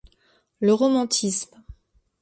Le romantisme.